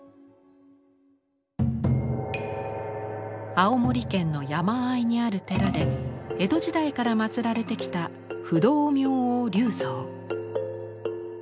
青森県の山あいにある寺で江戸時代から祀られてきた不動明王立像。